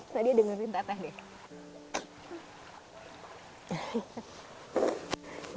nadia dengerin tata dia